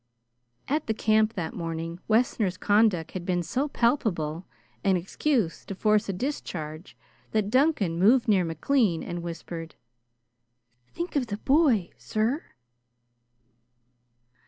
At the camp that morning, Wessner's conduct had been so palpable an excuse to force a discharge that Duncan moved near McLean and whispered, "Think of the boy, sir?"